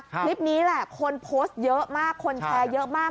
คลิปนี้แหละคนโพสต์เยอะมากคนแชร์เยอะมาก